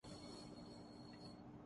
روسی عوام نے یہ سب کچھ کیسے برداشت کیا؟